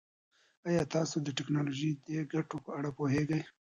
ایا تاسو د ټکنالوژۍ د ګټو په اړه پوهېږئ؟